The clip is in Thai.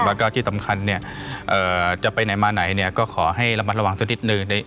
แล้วก็ที่สำคัญเนี่ยจะไปไหนมาไหนเนี่ยก็ขอให้ระมัดระวังสักนิดนึง